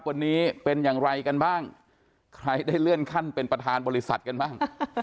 วันนี้เป็นอย่างไรกันบ้างใครได้เลื่อนขั้นเป็นประธานบริษัทกันบ้าง